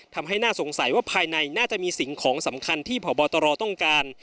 ทำให้น่าสงสัยว่าภายในน่าจะมีสิ่งของสำคัญที่พบตรต้องการ